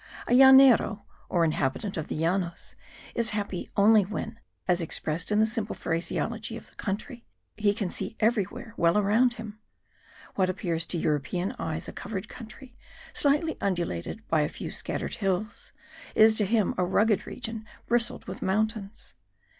A llanero, or inhabitant of the Llanos, is happy only when, as expressed in the simple phraseology of the country, he can see everywhere well around him. What appears to European eyes a covered country, slightly undulated by a few scattered hills, is to him a rugged region bristled with mountains.